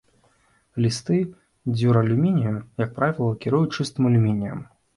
Лісты дзюралюмінію, як правіла, лакіруюць чыстым алюмініем.